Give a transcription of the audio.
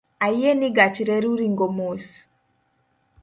Ayie ni gach reru ringo mos